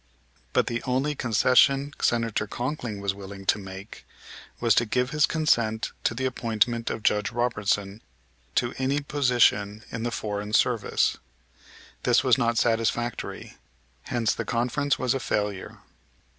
But the only concession Senator Conkling was willing to make was to give his consent to the appointment of Judge Robertson to any position in the foreign service. This was not satisfactory, hence the conference was a failure.